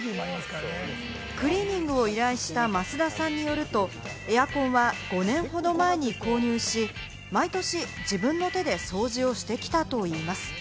クリーニングを依頼した、ますださんによると、エアコンは５年ほど前に購入し、毎年自分の手で掃除をしてきたといいます。